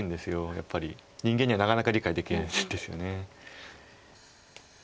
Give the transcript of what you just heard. やっぱり人間にはなかなか理解できないですよね。